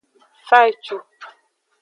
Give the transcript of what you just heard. Fa ecu.